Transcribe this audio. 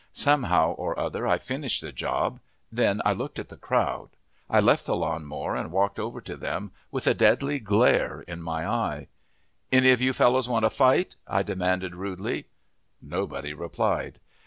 Somehow or other I finished the job. Then I looked at the crowd. I left the lawn mower and walked over to them with a deadly glare in my eye. "Any of you fellows want to fight?" I demanded rudely. Nobody replied.